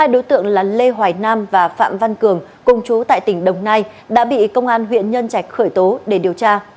hai đối tượng là lê hoài nam và phạm văn cường cùng chú tại tỉnh đồng nai đã bị công an huyện nhân trạch khởi tố để điều tra